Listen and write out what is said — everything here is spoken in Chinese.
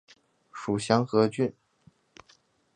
属牂牁郡。